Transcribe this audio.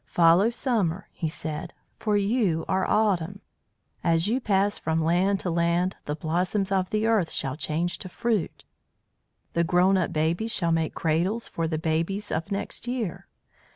"Follow Summer," he said, "for you are Autumn. As you pass from land to land the blossoms of the earth shall change to fruit; the grown up babies shall make cradles for the babies of next year.